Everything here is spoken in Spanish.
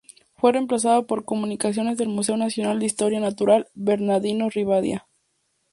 Fue reemplazada por "Comunicaciones del Museo Nacional de Historia Natural Bernardino Rivadavia".